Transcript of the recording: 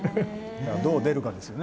どう出るかですよね。